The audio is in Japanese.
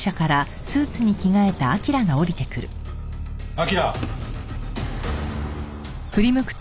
彬。